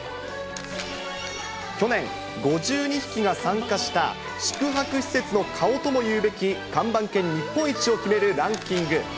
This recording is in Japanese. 去年、５２匹が参加した宿泊施設の顔とも言うべき看板犬日本一を決めるランキング。